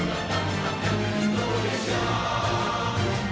dgi berjuangkan dgi berjuangkan